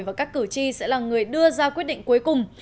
và các cử tri sẽ là người đưa ra quyết định cuối cùng